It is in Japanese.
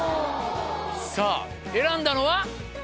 さぁ選んだのは？